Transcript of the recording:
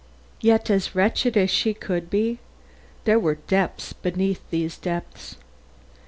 Yet not as wretched as she could be. There were depths beneath these depths.